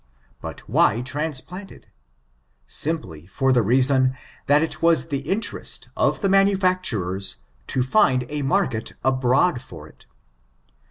But why transplanted ? Simplj for the reason, that it was the interest of the manufacturen to find a market abroad for it.